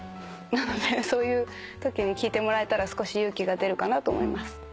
なのでそういうときに聴いてもらえたら少し勇気が出るかなと思います。